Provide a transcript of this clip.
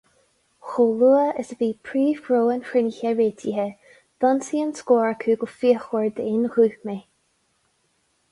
Chomh luath is a bhí príomhghnó an chruinnithe réitithe, d'ionsaigh an scór acu go fíochmhar d'aon ghuth mé.